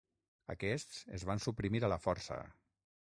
Aquests es van suprimir a la força.